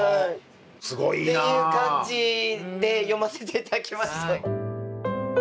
すごいな！っていう感じで読ませて頂きました。